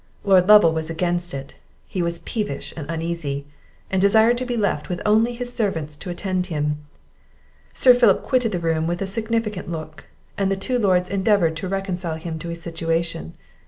Lord Lovel was against it; he was peevish and uneasy, and desired to be left with only his own servants to attend him. Sir Philip quitted the room with a significant look; and the two Lords endeavoured to reconcile him to his situation.